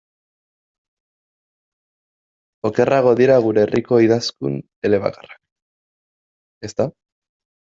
Okerrago dira gure herriko idazkun elebakarrak, ezta?